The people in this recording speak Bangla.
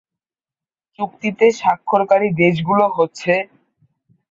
চুক্তিতে স্বাক্ষরকারী দেশগুলো হচ্ছে:-